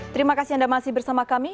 terima kasih anda masih bersama kami